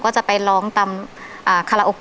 ใช่ค่ะ